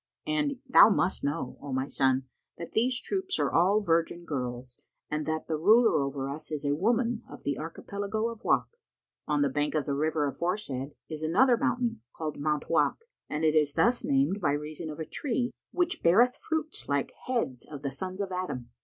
And thou must know, O my son, that these troops are all virgin girls, and that the ruler over us is a woman of the Archipelago of Wak. On the bank of the river aforesaid is another mountain, called Mount Wak, and it is thus named by reason of a tree which beareth fruits like heads of the Sons of Adam.